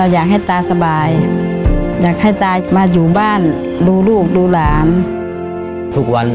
อยากให้ตาสบายอยากให้ตามาอยู่บ้านดูลูกดูหลานทุกวัน